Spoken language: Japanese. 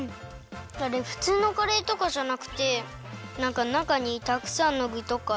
ふつうのカレーとかじゃなくてなんかなかにたくさんのぐとか。